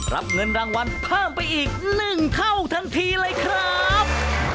รับเงินรางวันพร่งไปอีกหนึ่งเท่าทันทีเลยครับ